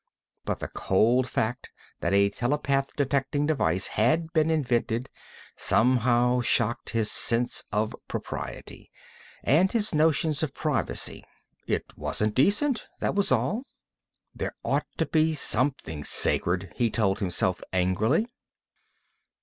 But the cold fact that a telepathy detecting device had been invented somehow shocked his sense of propriety, and his notions of privacy. It wasn't decent, that was all. There ought to be something sacred, he told himself angrily.